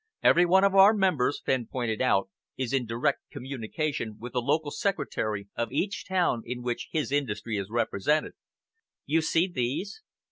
"Every one of our members," Fenn pointed out, "is in direct communication with the local secretary of each town in which his industry is represented. You see these?"